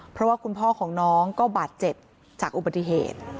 เพราะว่าคุณพ่อของน้องก็บาดเจ็บจากอุบัติเหตุ